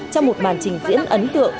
trong một màn trình diễn ấn tượng